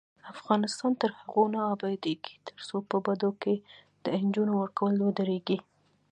افغانستان تر هغو نه ابادیږي، ترڅو په بدو کې د نجونو ورکول ودریږي.